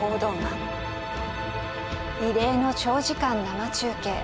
異例の長時間生中継。